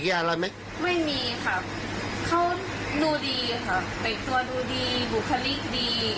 ไม่มีค่ะเขาดูดีค่ะเป็นตัวดูดีบุคลิกดีอืม